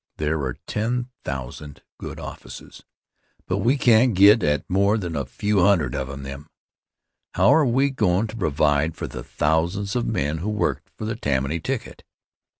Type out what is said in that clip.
There are ten thousand good offices, but we can't get at more than a few hundred of them. How are we goin' to provide for the thousands of men who worked for the Tammany ticket?